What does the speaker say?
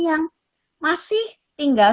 yang masih tinggal